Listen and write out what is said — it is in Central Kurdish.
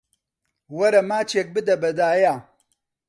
وەرە ماچێک بدە بە دایە.